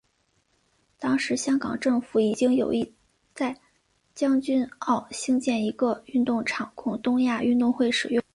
当时香港政府已经有意在将军澳兴建一个运动场供东亚运动会使用。